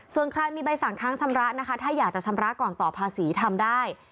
ส่วนใครมีใบสั่งค้างชำระนะคะถ้าอยากจะชำระก่อนต่อภาษีทำได้